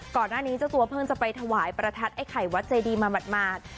เจ้าตัวเพิ่งจะไปถวายประทัดไอ้ไข่วัดเจดีมาหมาด